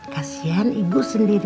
kasian ibu sendirian